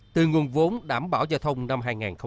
từ nguồn vốn đảm bảo giao thông năm hai nghìn một mươi sáu